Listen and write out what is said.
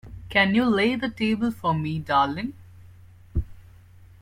Can you lay the table for me, darling?